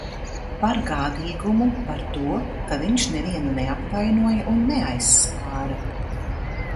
Par gādīgumu, par to, ka viņš nevienu neapvainoja un neaizskāra.